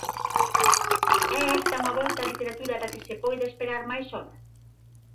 É esta unha volta á literatura da que se poida esperar máis obra?